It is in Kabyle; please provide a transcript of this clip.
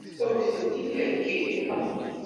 Ad k-tent-id-iheggi?